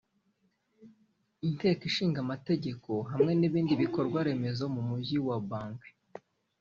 Inteko Ishinga Amategeko hamwe n’ibindi bikorwa remezo mu Mujyi wa Bangui